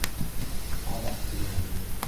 Аҙаҡ килерһегеҙ.